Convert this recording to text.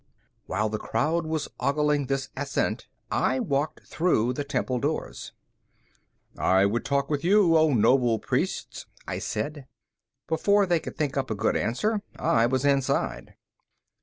While the crowd was ogling this ascent, I walked through the temple doors. "I would talk with you, O noble priests," I said. Before they could think up a good answer, I was inside.